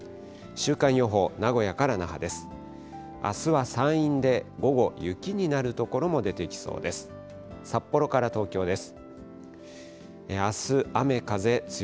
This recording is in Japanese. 週間予報、名古屋から那覇です。